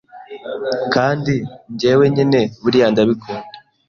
Kandi njyewe nyine buriya ndabikunda